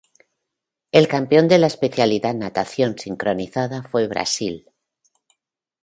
El campeón de la especialidad Natación sincronizada fue Brasil.